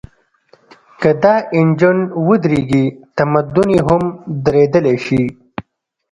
که دا انجن ودرېږي، تمدن هم درېدلی شي.